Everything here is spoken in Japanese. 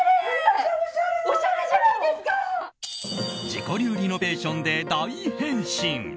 自己流リノベーションで大変身！